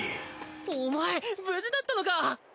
お前無事だったのか！